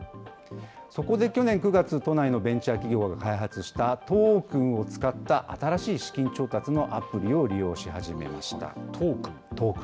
そこで去年９月、都内のベンチャー企業が開発したトークンを使った新しい資金調達のアプリを利用し始めました。